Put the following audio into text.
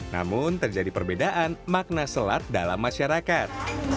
namun terjadi perbedaan makna selat dalam masyarakat